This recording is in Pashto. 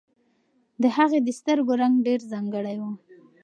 د هغې د سترګو رنګ ډېر ځانګړی و.